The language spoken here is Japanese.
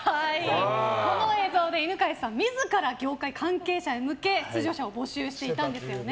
この映像で犬飼さん自ら業界関係者へ向け出場者を募集していたんですよね。